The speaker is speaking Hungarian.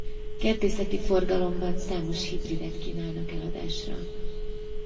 Kertészeti forgalomban számos hibridet kínálnak eladásra.